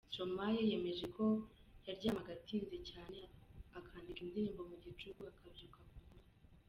Stromae yemeje ko yaryamaga atinze cyane, akandika indirimbo mu gicuku, akabyuka ku manywa.